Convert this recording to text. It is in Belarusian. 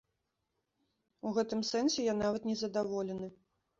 У гэтым сэнсе я нават незадаволены.